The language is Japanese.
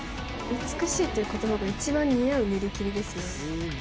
「美しい」という言葉が一番似合う練り切りですね。